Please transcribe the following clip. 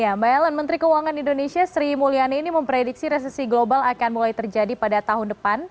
ya mbak ellen menteri keuangan indonesia sri mulyani ini memprediksi resesi global akan mulai terjadi pada tahun depan